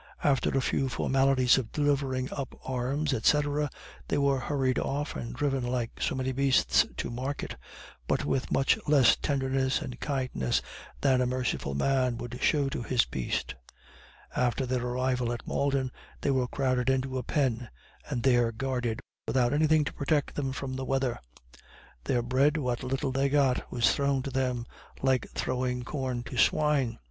After a few formalities of delivering up arms, &c., they were hurried off and driven like so many beasts to market, but with much less tenderness and kindness than a merciful man would show to his beast. After their arrival at Malden, they were crowded into a pen, and there guarded, without anything to protect them from the weather. Their bread, what little they got, was thrown to them like throwing corn to swine.